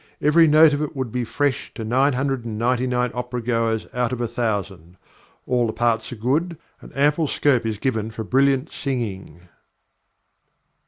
Every note of it would be fresh to nine hundred and ninety nine opera goers out of a thousand. All the parts are good, and ample scope is given for brilliant singing.